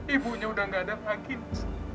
ibunya udah nggak ada lagi liz